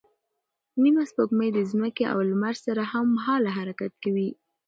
نیمه سپوږمۍ د ځمکې او لمر سره هممهاله حرکت کوي.